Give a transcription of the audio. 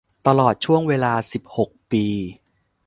ตลอดช่วงเวลา สิบหก ปี